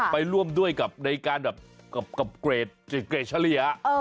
ไปร่วมด้วยกับในการเกรดเฉลี่ย